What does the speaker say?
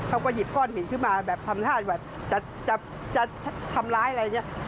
เขาก็หยิบก้อนหินขึ้นมาแบบทำลายอะไรอย่างนี้